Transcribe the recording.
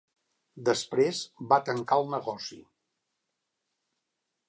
Després va tancar el negoci.